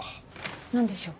何でしょう？